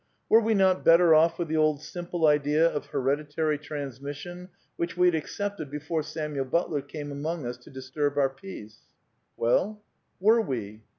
Were we not better off wili the old simple idea of hereditary transmission which we had accepted before Samuel Butler came among us to dis^ turb our peace ? Well — were we